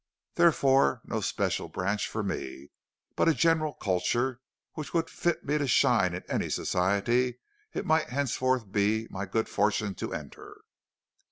Therefore no special branch for me, but a general culture which would fit me to shine in any society it might henceforth be my good fortune to enter.